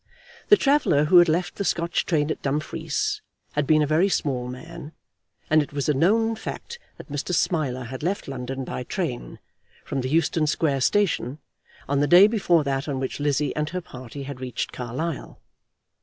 The traveller who had left the Scotch train at Dumfries had been a very small man, and it was a known fact that Mr. Smiler had left London by train, from the Euston Square station, on the day before that on which Lizzie and her party had reached Carlisle.